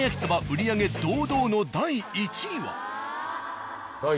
売り上げ堂々の第１位は。